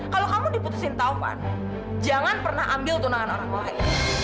kalau kamu diputusin taufan jangan pernah ambil tunangan orang lain